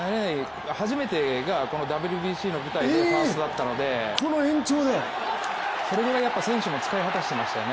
初めてがこのＷＢＣの舞台でファーストだったのでそれぐらい選手も使い果たしてましたよね。